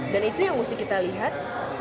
dan itu yang mesti kita lihat